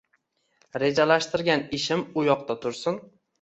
Rejalashtirgan ishim u yoqda tursin.